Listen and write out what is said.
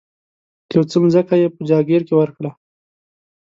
یو څه مځکه یې په جاګیر کې ورکړه.